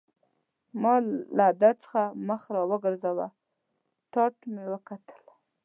ما له ده څخه مخ را وګرځاوه، ټاټ مې وکتل.